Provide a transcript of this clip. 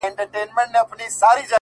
زما له زړه یې جوړه کړې خېلخانه ده،